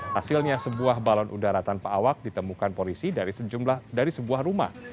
hasilnya sebuah balon udara tanpa awak ditemukan polisi dari sebuah rumah